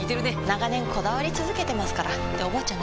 長年こだわり続けてますからっておばあちゃん